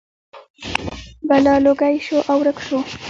بلا لوګی شو او ورک شو.